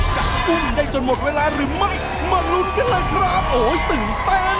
กุ้งได้จนหมดเวลาหรือไม่มาลุ้นกันเลยครับโอ้ยตื่นเต้น